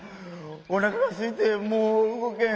おなかがすいてもううごけん。